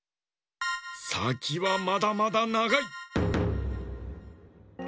さきはまだまだながい！